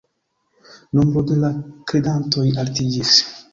Nombro de la kredantoj altiĝis.